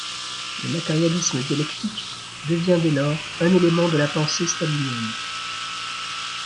Le matérialisme dialectique devient dès lors un élément de la pensée stalinienne.